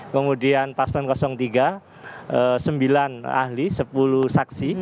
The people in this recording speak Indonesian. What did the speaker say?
kemudian paslon tiga sembilan ahli sepuluh saksi